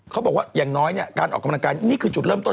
เขาบอกว่าอย่างน้อยนี่คือจุดเริ่มต้น